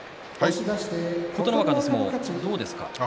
琴ノ若の相撲どうですか。